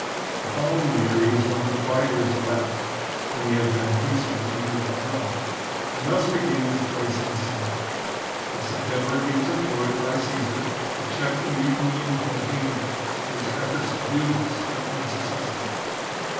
The following year he was one of the praetors elect (when he had been quaestor we do not know), and thus regained his place in the Senate. In September he was employed by Caesar to check the mutiny in Campania, but his efforts to do this were unsuccessful.